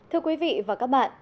thưa quý vị và các bạn